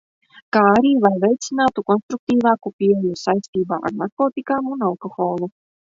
Kā arī lai veicinātu konstruktīvāku pieeju saistībā ar narkotikām un alkoholu.